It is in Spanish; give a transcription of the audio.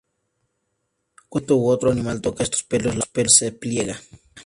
Cuando un insecto u otro animal toca estos pelos la hoja se pliega.